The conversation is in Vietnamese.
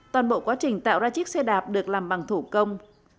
toàn bộ quá trình tạo ra chiếc xe đạp được làm bằng thủ công